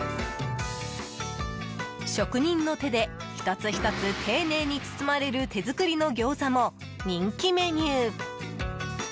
職人の手で１つ１つ丁寧に包まれる手作りの餃子も人気メニュー。